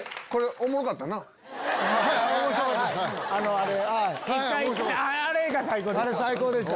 あれが最高でした。